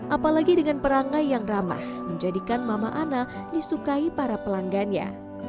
apalagi dengan perangai yang ramah menjadikan mama ana disukai para pelanggannya